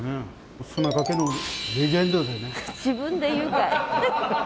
自分で言うかい！